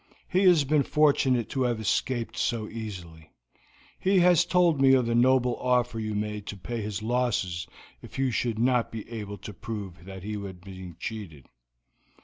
He has been fortunate to have escaped so easily. He has told me of the noble offer you made to pay his losses if you should not be able to prove that he was being cheated."